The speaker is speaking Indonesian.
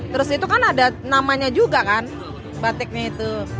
terus itu kan ada namanya juga kan batiknya itu